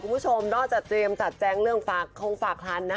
คุณผู้ชมนอกจากเตรียมจัดแจงเรื่องฝากคงฝากคันนะคะ